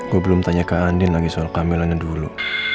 gue belum tanya ke andin lagi soal camelannya dulu